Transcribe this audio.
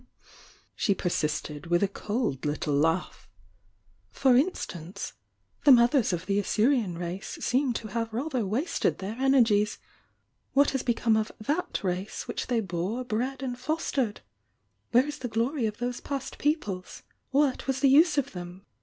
she persisted, with a cold little laugh. "For instance,— the mothers of the Assyrian race seem to have rather wasted their energies! What has become of that race which they bore, bred and fostered? Where is the glory of those past peoples? What was the use of them?